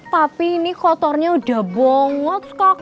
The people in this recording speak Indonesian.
tapi ini kotornya udah bongots kakak